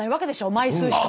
枚数しか。